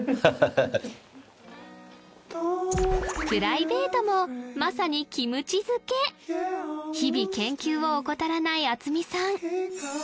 プライベートもまさにキムチ漬け日々研究を怠らない渥美さん